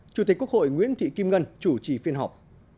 chủ tịch quốc hội nguyễn thị kim ngân chủ trì phiên họp